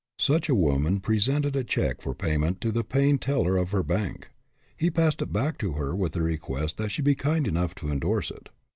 Such a woman presented a check for payment to the paying teller of her bank. He passed it back to her with the request that she be kind enough to indorse it.